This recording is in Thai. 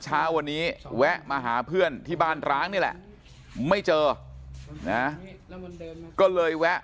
เช้าวันนี้แวะมาหาเพื่อนที่บ้านร้างนี่แหละไม่เจอนะก็เลยแวะ